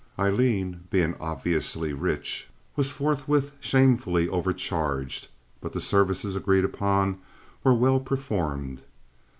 Aileen, being obviously rich, was forthwith shamefully overcharged; but the services agreed upon were well performed.